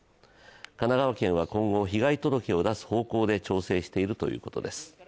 神奈川県は今後被害届を出す方向で調整しているということです。